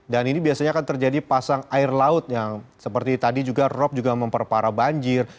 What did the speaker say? dan ini biasanya akan terjadi pasang air laut yang seperti tadi juga rob juga memperparah banjir